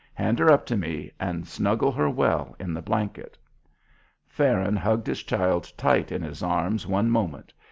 Hand her up to me and snuggle her well in the blanket." Farron hugged his child tight in his arms one moment.